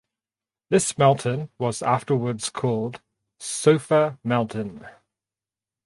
This mountain was afterwards called Sofa Mountain.